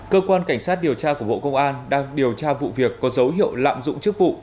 cơ quan cảnh sát điều tra của bộ công an đang điều tra vụ việc có dấu hiệu lạm dụng chức vụ